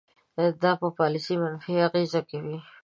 دا په پالیسۍ منفي اغیز کوي.